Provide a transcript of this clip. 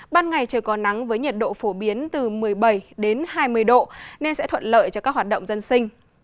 ban ngày trời có nắng với nhiệt độ phổ biến từ một mươi bảy đến hai mươi độ nên sẽ thuận lợi cho các hoạt động dân sinh